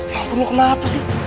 bangun lu kenapa sih